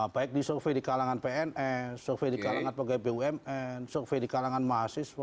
baik di survei di kalangan pn survei di kalangan pgm survei di kalangan mahasiswa